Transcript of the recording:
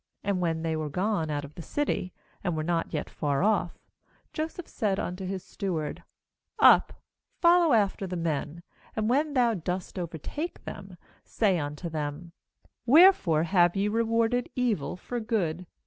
4And when they were gone out of the city, and were not yet far off, Joseph said unto his stew ard: 'Up, follow after the men; and when thou dost overtake them, say unto them: Wherefore have ye re warded evil for good?